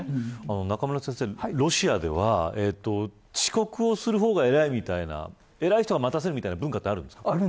中村先生、ロシアでは遅刻をする方が偉いみたいな偉い人が待たせるっていう文化あるんですか。